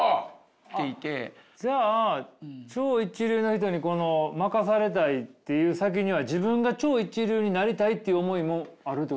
じゃあ超一流の人に負かされたいっていう先には自分が超一流になりたいっていう思いもあるってことですか。